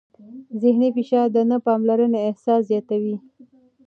ذهني فشار د نه پاملرنې احساس زیاتوي.